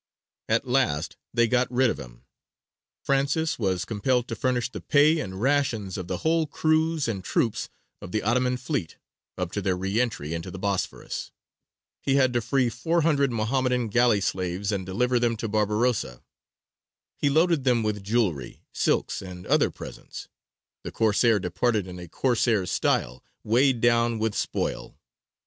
At last they got rid of him. Francis was compelled to furnish the pay and rations of the whole crews and troops of the Ottoman fleet up to their re entry into the Bosphorus; he had to free four hundred Mohammedan galley slaves and deliver them to Barbarossa; he loaded him with jewellery, silks, and other presents; the Corsair departed in a Corsair's style, weighed down with spoil.